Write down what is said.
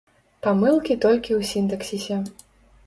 Памылкі толькі ў сінтаксісе.